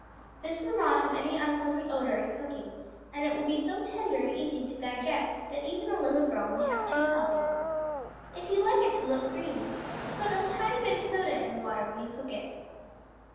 This will not have any unpleasant odor in cooking, and it will be so tender and easy to digest that even a little girl may have two helpings. If you like it to look green, put a tiny bit of soda in the water when you cook it.